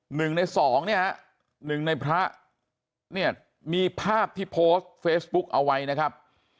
หนึ่งในสองเนี่ยหนึ่งในพระเนี่ยมีภาพที่โพสต์เฟซบุ๊กเอาไว้นะครับ